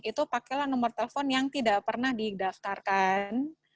itu pakailah nomor telepon yang tidak pernah didaftarkan